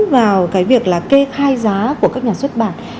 vào cái việc là kê khai giá của các nhà xuất bản